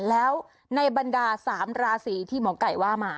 แล้วในบรรดา๓ราศีที่หมอไก่ว่ามา